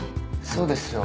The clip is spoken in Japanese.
そうですよ